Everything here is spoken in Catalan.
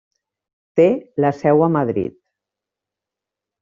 Té la seu a Madrid.